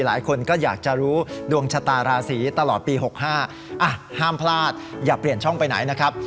หลายคนก็อยากจะรู้ดวงชะตาราศีตลอดปี๖๕ห้ามพลาดอย่าเปลี่ยนช่องไปไหนนะครับ